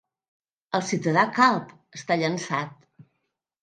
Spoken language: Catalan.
El ciutadà calb està llançat.